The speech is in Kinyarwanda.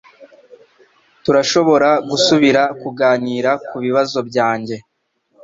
Turashobora gusubira kuganira kubibazo byanjye